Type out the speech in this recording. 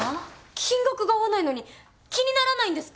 金額が合わないのに気にならないんですか？